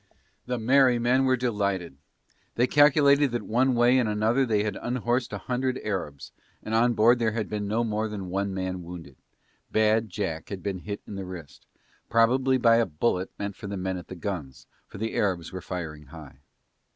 The merry men were delighted, they calculated that one way and another they had unhorsed a hundred Arabs and on board there had been no more than one man wounded: Bad Jack had been hit in the wrist; probably by a bullet meant for the men at the guns, for the Arabs were firing high.